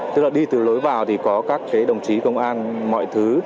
tức là đi từ lối vào thì có các đồng chí công an mọi thứ